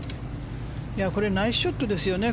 これナイスショットですよね。